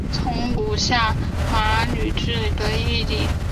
从五位下长岑茂智麻吕的义弟。